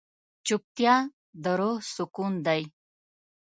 چوپتیا، د روح سکون دی.